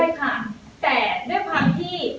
ได้ค่ะแต่ด้วยภาพที่